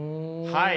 はい。